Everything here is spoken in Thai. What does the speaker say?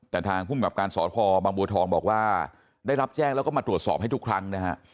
แต่ทางภูมิกับการสพบางบัวทองบอกว่าได้รับแจ้งแล้วก็มาตรวจสอบให้ทุกครั้งนะฮะ